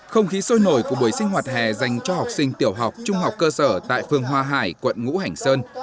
không khí sôi nổi của buổi sinh hoạt hè dành cho học sinh tiểu học trung học cơ sở tại phường hoa hải quận ngũ hành sơn